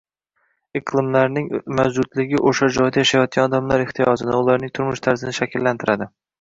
Iqlimlarning mavjudligi o‘sha joyda yashayotgan odamlar ehtiyojini, ularning turmush tarzini shakllantiradi.